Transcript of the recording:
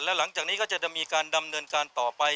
แล้วหลังจากนี้ก็จะมีการดำเนินการต่อไป